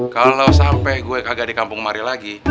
kalau sampai gue kagak di kampung mari lagi